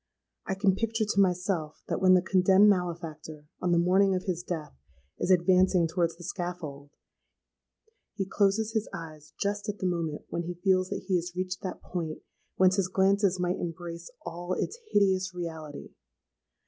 I can picture to myself that when the condemned malefactor, on the morning of his death, is advancing towards the scaffold, he closes his eyes just at the moment when he feels that he has reached that point whence his glances might embrace all its hideous reality.